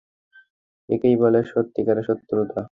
একেই বলে সত্যি কারের শত্রুতা!